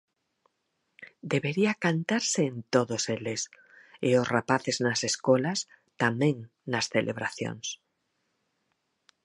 Debería cantarse en todos eles, e os rapaces nas escolas tamén nas celebracións.